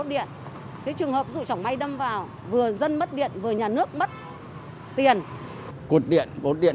trường hợp dụ trỏng bay đâm vào vừa dân mất điện vừa nhà nước mất tiền